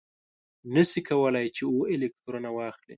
نه شي کولای چې اوه الکترونه واخلي.